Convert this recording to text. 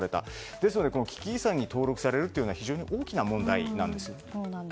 ですので危機遺産に登録されるというのは非常に大きな問題なんです。